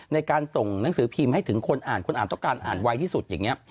ในการส่งหนังสือพิมพ์ให้ถึงคนอ่านคนอ่านต้องการอ่านไวที่สุดอย่างนี้